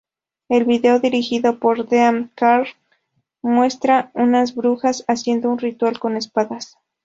El video, dirigido por Dean Karr, muestra unas brujas haciendo un ritual con espadas.